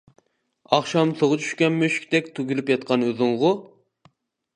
ئاخشام سۇغا چۈشكەن مۈشۈكتەك تۈگۈلۈپ ياتقان ئۆزۈڭغۇ؟ !